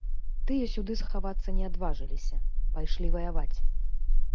Тыя сюды схавацца не адважыліся, пайшлі ваяваць.